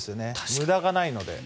無駄がないので。